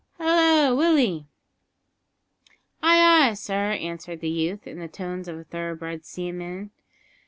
Hallo, Willie." "Ay, ay, sir!" answered the youth, in the tones of a thoroughbred seaman.